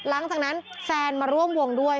หลังจากนั้นแฟนมาร่วมวงด้วย